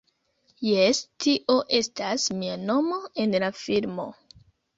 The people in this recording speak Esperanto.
Jes tio estas mia nomo en la filmo.